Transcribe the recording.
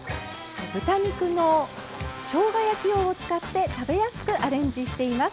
豚肉のしょうが焼き用を使って食べやすくアレンジしています。